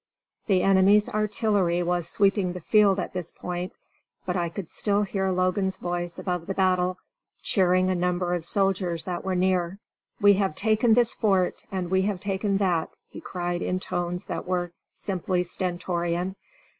The enemy's artillery was sweeping the field at this point, but I could still hear Logan's voice above the battle, cheering a number of soldiers that were near. "We have taken this fort and we have taken that," he cried in tones that were simply stentorian.